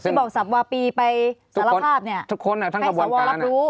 ซึ่งบอกศาลว่าปีไปสารภาพเนี้ยทุกคนอ่ะท่านขวานรับรู้